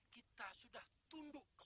kita sudah berakhir